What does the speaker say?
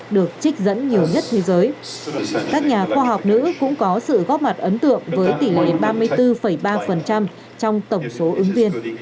được trích dẫn nhiều nhất thế giới các nhà khoa học nữ cũng có sự góp mặt ấn tượng với tỷ lệ ba mươi bốn ba trong tổng số ứng viên